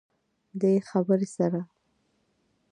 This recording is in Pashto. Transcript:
دې خبرې سره